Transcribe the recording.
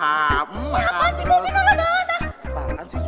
apaan sih cuma barang bukti